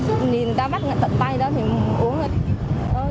thì người ta bắt tận tay đó thì uống hết